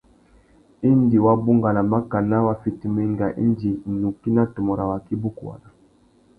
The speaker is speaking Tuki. Indi wa bungana makana wa fitimú enga indi nukí na tumu râ waki i bukuwana.